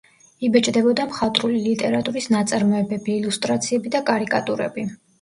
იბეჭდებოდა მხატვრული ლიტერატურის ნაწარმოებები, ილუსტრაციები და კარიკატურები.